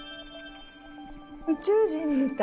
宇宙人みたい。